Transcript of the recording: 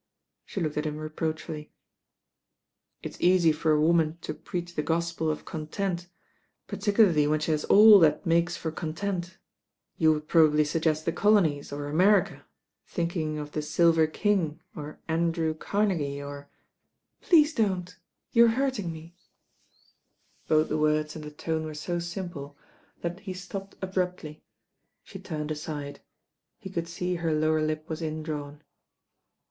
She looked at him reproachfully. "It's easy for a woman to preach the gospel of content, particularly when she has all that makes for content. You would probably suggest the colonies, or America, thinking of The Silver King or Andrew Carnrgie, or " "Please don't, you are hurting me," Both the words and the tone were so simple that j^LJimmsaex A QUESTION OF ANKLES 198 he stopped abruptly. She turned aside. He could sec her lower lip was indrawn.